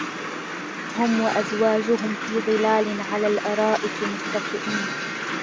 هُم وَأَزواجُهُم في ظِلالٍ عَلَى الأَرائِكِ مُتَّكِئونَ